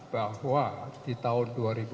bahwa di tahun dua ribu empat